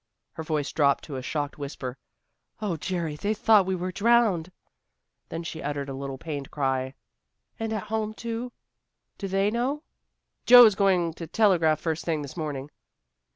Her voice dropped to a shocked whisper. "Oh, Jerry, they thought we were drowned." Then she uttered a little pained cry. "And at home, too? Do they know?" "Joe's going to telegraph first thing this morning."